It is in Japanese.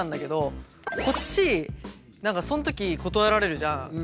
こっち何かそん時断られるじゃん。